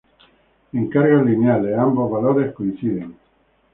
En cargas lineales, ambos valores coinciden.